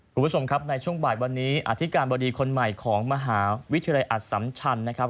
คุณผู้ชมครับในช่วงบ่ายวันนี้อธิการบดีคนใหม่ของมหาวิทยาลัยอสัมชันนะครับ